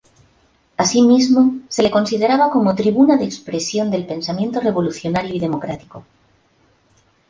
Asimismo, se le consideraba como tribuna de expresión del pensamiento revolucionario y democrático.